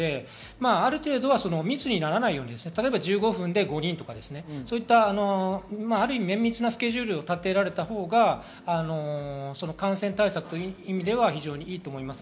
ある程度は密にならないように１５分で５人とか、綿密なスケジュールを立てられたほうが感染対策という意味ではいいと思います。